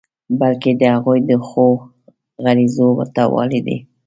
بلکې د هغوی د خود غرضیو ورته والی دی.